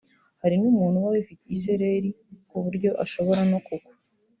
hari n’umuntu uba wifitiye isereri ku buryo ashobora no kugwa